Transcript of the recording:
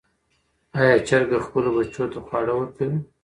آیا چرګه خپلو بچیو ته خواړه ورکوي؟